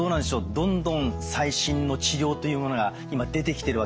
どんどん最新の治療というものが今出てきてるわけなんですか？